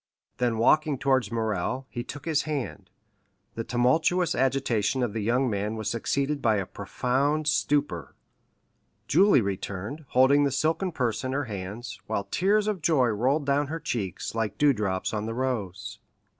Then walking towards Morrel, he took his hand; the tumultuous agitation of the young man was succeeded by a profound stupor. Julie returned, holding the silken purse in her hands, while tears of joy rolled down her cheeks, like dewdrops on the rose.